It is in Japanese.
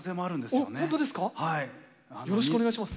よろしくお願いします。